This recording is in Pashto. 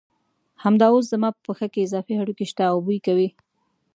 همدا اوس زما په پښه کې اضافي هډوکي شته او بوی کوي.